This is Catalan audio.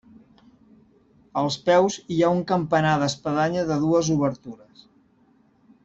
Als peus hi ha un campanar d'espadanya de dues obertures.